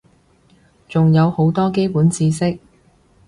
仲有好多基本知識